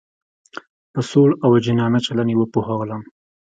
په سوړ او جانانه چلن یې پوهولم.